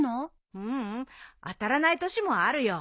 ううん当たらない年もあるよ。